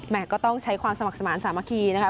ก็ต้องใช้ความสมัครสมาธิสามัคคีนะคะ